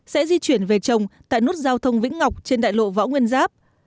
sẽ di chuyển về trồng tại nút giao thông vĩnh ngọc trên đại lộ võ nguyên giáp